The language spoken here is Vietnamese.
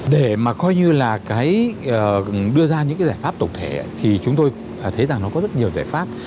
để mà coi như là cái đưa ra những cái giải pháp tổng thể thì chúng tôi thấy rằng nó có rất nhiều giải pháp